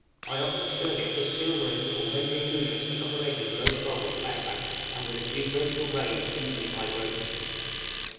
I often observe it just silvering or rendering luminous the upper edge of low fog or cloud banks, and with a few vertical rays feebly vibrating.